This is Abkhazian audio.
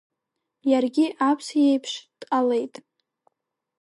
Иаргьы аԥс иеиԥш дҟалеит…